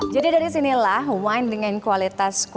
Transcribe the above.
jadi dari sinilah wine dengan kualitas yang sangat menarik